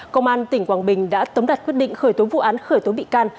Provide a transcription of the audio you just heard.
công an tỉnh quảng bình đã tống đặt quyết định khởi tố vụ án khởi tố bị can